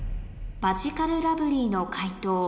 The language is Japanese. マヂカルラブリーの解答